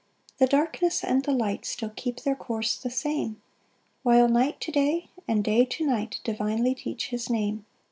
2 The darkness and the light Still keep their course the same; While night to day, and day to night Divinely teach his name.